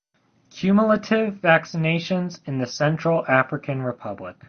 Cumulative vaccinations in the Central African Republic